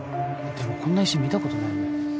でもこんな石見たことないよね